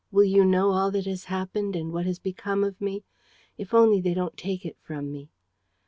Will you know all that has happened and what has become of me? If only they don't take it from me!